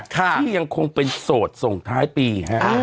ที่ยังคงเป็นโสดส่งท้ายปี